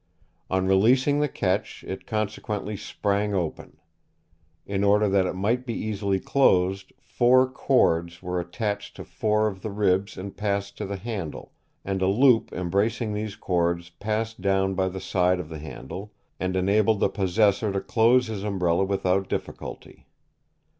On releasing the catch it consequently sprang open. In order that it might be easily closed, four cords were attached to four of the ribs and passed to the handle; and a loop embracing these cords passed down by the side of the handle, and enabled the possessor to close his umbrella without difficulty.